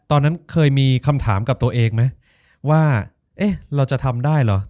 ตอนนั้นเคยมีคำถามกับตัวเองไหมว่าเอ๊ะเราจะทำได้เหรอ